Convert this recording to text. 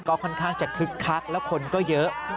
ก็ค่อนข้างจะคึกคักแล้วคนก็เยอะ